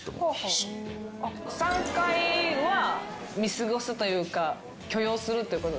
３回は見過ごすというか許容するってことですか？